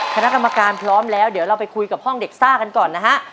คณะกรรมการพร้อมแล้วเดี๋ยวเราไปคุยกับห้องเด็กซ่ากันก่อนนะฮะ